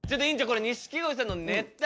この錦鯉さんのネタ